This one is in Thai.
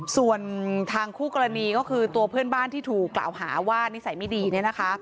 ส่วนทางคู่กรณีก็คือตัวเพื่อนบ้านที่ถูกกล่าวหาว่านิสัยไม่ดีเนี่ยนะคะ